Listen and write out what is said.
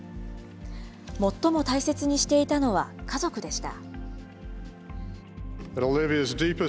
最も大切にしていたのは家族でした。